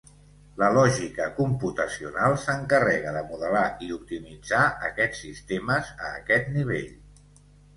La lògica computacional s'encarrega de modelar i optimitzar aquests sistemes a aquest nivell.